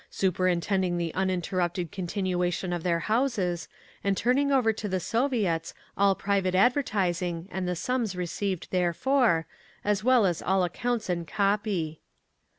superintending the uninterrupted continuation of their houses, and turning over to the Soviets all private advertising and the sums received therefor, as well as all accounts and copy.